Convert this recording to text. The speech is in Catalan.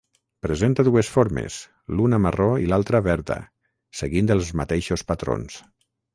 Presenta dues formes, l'una marró i l'altra verda, seguint els mateixos patrons.